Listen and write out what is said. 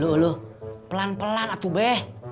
aduh pelan pelan atu be